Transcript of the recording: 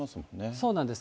そうなんです。